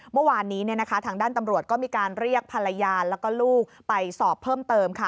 เมื่อวานนี้ทางด้านตำรวจก็มีการเรียกภรรยาแล้วก็ลูกไปสอบเพิ่มเติมค่ะ